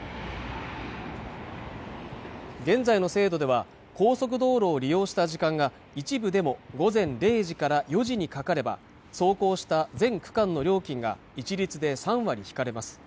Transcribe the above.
現在の制度では高速道路を利用した時間が一部でも午前０時から４時にかかれば走行した全区間の料金が一律で３割引かれます